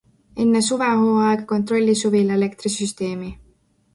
Enne suvehooaega kontrolli suvila elektrisüsteemi!